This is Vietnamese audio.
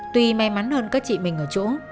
tuy may mắn hơn có chị mình ở chỗ